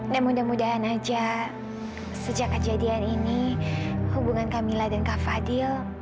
dan mudah mudahan aja sejak kejadian ini hubungan kamilah dan kak fadil